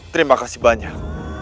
terima kasih banyak